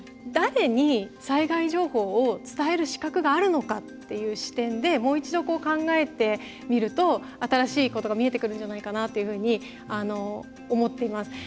誰に災害情報を伝える資格があるのかっていう視点でもう一度考えてみると新しいことが見えてくるんじゃないかなというふうに思っています。